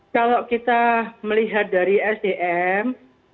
kalau kita melihat dari sdm